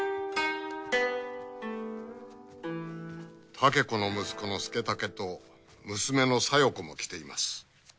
竹子の息子の佐武と娘の小夜子も来ています。